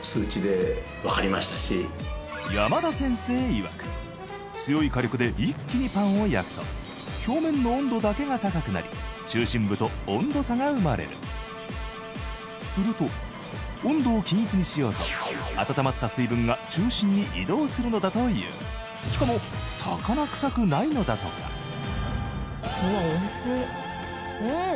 いわく強い火力で一気にパンを焼くと表面の温度だけが高くなり中心部と温度差が生まれるすると温度を均一にしようと温まった水分が中心に移動するのだというしかも魚臭くないのだとかうわっ美味しいうん！